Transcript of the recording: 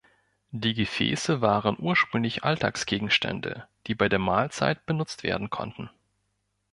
Die Gefäße waren ursprünglich Alltagsgegenstände, die bei der Mahlzeit benutzt werden konnten.